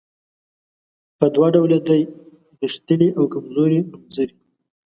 په دوه ډوله دي غښتلي او کمزوري نومځري.